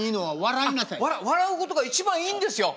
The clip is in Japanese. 笑うことが一番いいんですよ。